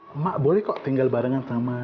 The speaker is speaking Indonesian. emak boleh kok tinggal barengan sama